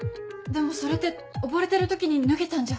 でもそれって溺れてる時に脱げたんじゃ？